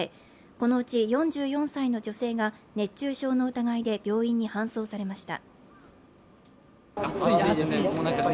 このうち４４歳の女性が熱中症の疑いで病院に搬送されました。